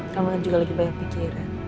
kamu kan juga lagi banyak pikir ya